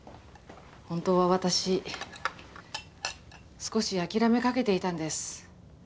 本当は私少し諦めかけていたんです。